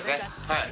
はい。